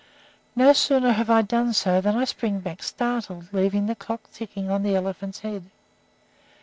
No sooner have I done so than I spring back startled, leaving the clock ticking on the elephant's head.